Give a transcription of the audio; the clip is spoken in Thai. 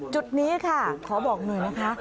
จุดนี้ค่ะขอบอกหน่อยนะคะ